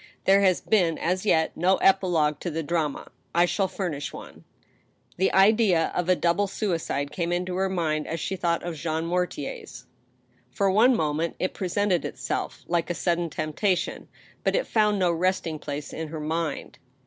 There has been as yet no epilogue to the drama. I shall furnish one." The idea of a double suicide came into her mind, as she thought of Jean Mortier's. For one moment it presented itself like a sudden temptation, but jt found no resting place in her mind.